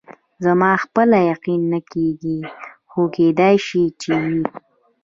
زما خپله یقین نه کېږي، خو کېدای شي چې وي.